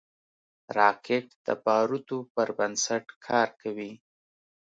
راکټ د بارودو پر بنسټ کار کوي